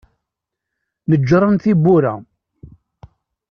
Neǧǧren tiwwura.